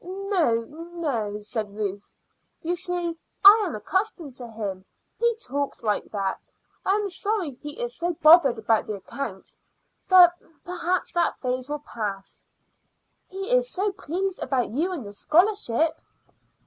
"Oh no," said Ruth. "You see, I am accustomed to him. He talks like that. I am sorry he is so bothered about the accounts, but perhaps that phase will pass." "He is so pleased about you and the scholarship."